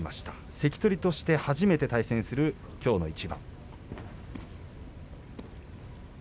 関取として初の対戦きょうの一番。